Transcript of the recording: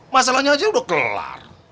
masalahnya aja udah kelar